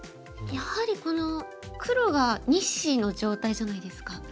やはりこの黒が２子の状態じゃないですか。